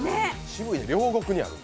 両国にあるの？